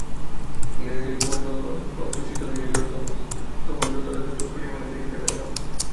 ধীরে ধীরে যখন রক্ত শীতল হইয়া গেল, সকলই তখন যথাযথ পরিমাণে দেখিতে পাইলাম।